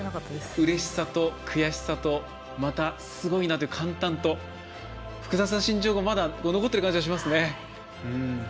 うれしさと悔しさとすごいなという感嘆と複雑な心情が残ってる感じがしますね。